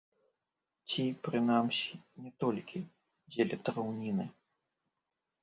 Ці, прынамсі, не толькі дзеля драўніны.